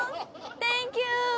サンキュー。